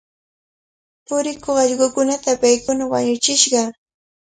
Purikuq allqukunata paykuna wañuchishqa.